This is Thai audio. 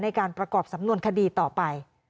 ในการประกอบสำนวนคดีต่อไป